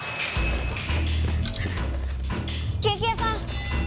ケーキ屋さん！